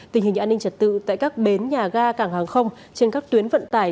tình hình an ninh trật tự tại các bến nhà ga cảng hàng không trên các tuyến vận tải